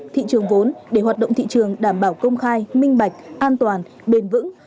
thị trường vốn để hoạt động thị trường đảm bảo công khai minh bạch an toàn bền vững